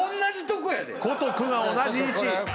「こ」と「く」が同じ位置！